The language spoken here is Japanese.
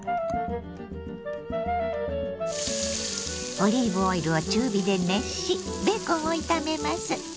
オリーブオイルを中火で熱しベーコンを炒めます。